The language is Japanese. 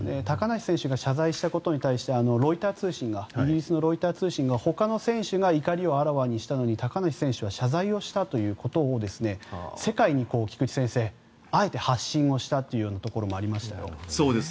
高梨選手が謝罪したことについてイギリスのロイター通信はほかの選手が怒りをあらわにしたのに高梨選手は謝罪をしたということを世界に菊地先生、あえて発信したというところもありましたよ。